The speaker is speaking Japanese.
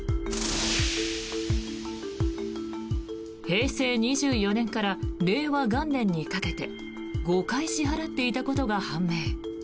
平成２４年から令和元年にかけて５回支払っていたことが判明。